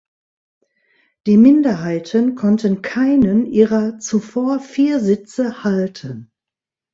Die Minderheiten konnten keinen ihrer zuvor vier Sitze halten.